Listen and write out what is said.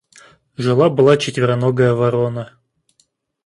Жила была четвероногая ворона.